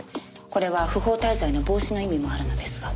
これは不法滞在の防止の意味もあるのですが。